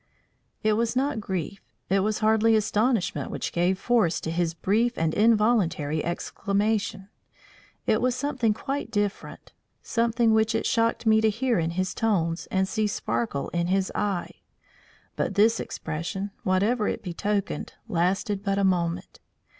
It was not grief, it was hardly astonishment which gave force to this brief and involuntary exclamation. It was something quite different, something which it shocked me to hear in his tones and see sparkle in his eye. But this expression, whatever it betokened, lasted but a moment.